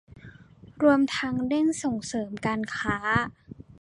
รวมทั้งเร่งส่งเสริมการค้า